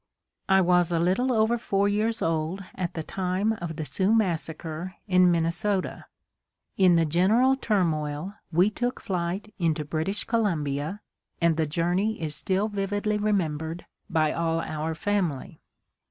I was a little over four years old at the time of the "Sioux massacre" in Minnesota. In the general turmoil, we took flight into British Columbia, and the journey is still vividly remembered by all our family.